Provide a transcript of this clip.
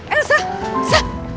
eh sah sah